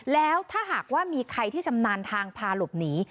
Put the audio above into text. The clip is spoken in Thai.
แล้วถ้าหากว่ามีใครที่ชำนาญทางพาหลบหนี